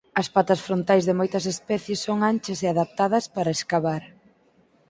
As patas frontais de moitas especies son anchas e adaptadas para escavar.